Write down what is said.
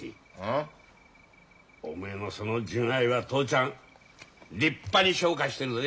おめえのその純愛は父ちゃん立派に評価してるぜ。